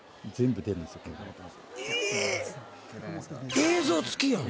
映像付きやん。